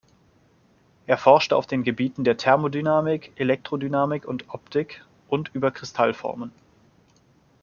Er forschte auf den Gebieten der Thermodynamik, Elektrodynamik und Optik und über Kristallformen.